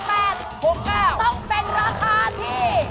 ต้องเป็นราคาที่